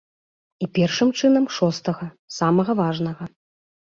І, першым чынам, шостага, самага важнага.